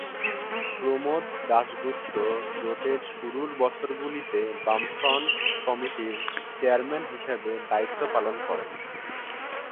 প্রমোদ দাশগুপ্ত জোটের শুরুর বছরগুলিতে বামফ্রন্ট কমিটির চেয়ারম্যান হিসাবে দায়িত্ব পালন করেন।